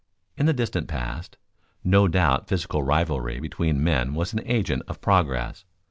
In the distant past no doubt physical rivalry between men was an agent of progress.